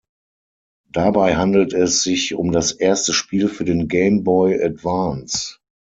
Dabei handelt es sich um das erste Spiel für den Game Boy Advance.